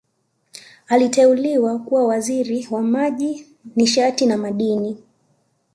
Aliteuliwa kuwa Waziri wa Maji Nishati na Madini